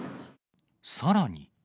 さらに。